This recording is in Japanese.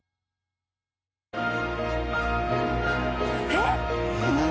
えっ！？